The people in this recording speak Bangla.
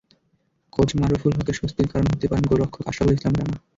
কোচ মারুফুল হকের স্বস্তির কারণ হতে পারেন গোলরক্ষক আশরাফুল ইসলাম রানা।